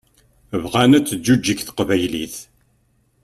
Bɣan ad teǧǧuǧeg teqbaylit.